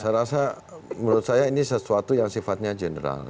saya rasa menurut saya ini sesuatu yang sifatnya general